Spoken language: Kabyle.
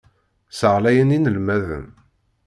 Sseɣyalen inelmaden.